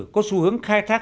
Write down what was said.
có xu hướng khai thác